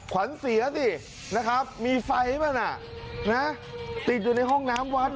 ขวัญเสียสินะครับมีไฟไหมน่ะนะติดอยู่ในห้องน้ำวัด